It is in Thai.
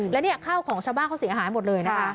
แล้วเนี่ยข้าวของชาวบ้านเขาเสียหายหมดเลยนะคะ